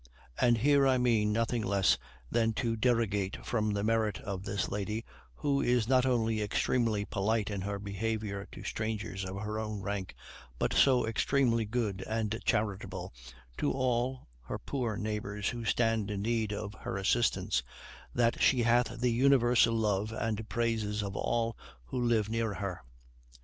And here I mean nothing less than to derogate from the merit of this lady, who is not only extremely polite in her behavior to strangers of her own rank, but so extremely good and charitable to all her poor neighbors who stand in need of her assistance, that she hath the universal love and praises of all who live near her.